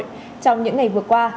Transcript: trong những ngày vừa qua